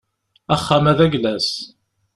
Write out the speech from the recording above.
Axxam-a d ayla-s.